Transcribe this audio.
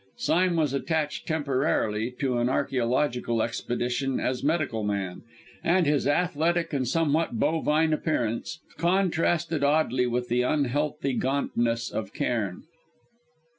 Sime was attached temporarily to an archæological expedition as medical man, and his athletic and somewhat bovine appearance contrasted oddly with the unhealthy gauntness of Cairn.